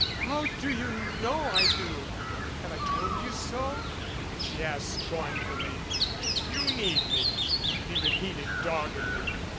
How do you know I do? Have I told you so?" she asked scornfully. "You need me," he repeated doggedly.